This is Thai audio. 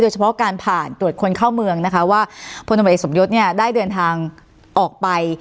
โดยเฉพาะการผ่านตรวจคนเข้าเมืองว่าคนตรวจเอกสมยศได้เดินทางออกไป